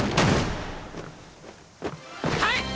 はい！